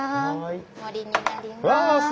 盛りになります。